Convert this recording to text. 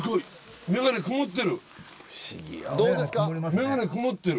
眼鏡くもってる！